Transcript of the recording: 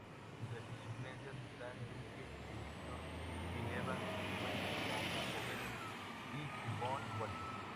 Entre sus influencias están Duke Ellington, Gil Evans, Wes Montgomery y T-Bone Walker.